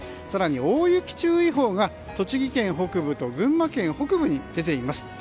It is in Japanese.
更に大雪注意報が栃木県北部と群馬県北部に出ています。